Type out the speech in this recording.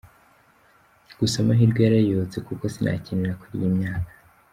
Gusa amahirwe yarayoyotse kuko sinakinira kuri iyi myaka.